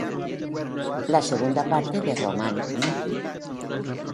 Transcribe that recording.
La segunda parte de "Roman No.